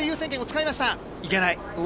いけない。